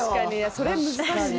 それ、難しい。